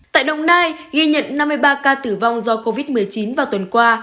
tại đồng nai ghi nhận năm mươi ba ca tử vong do covid một mươi chín vào tuần qua